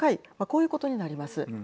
こういうことになります。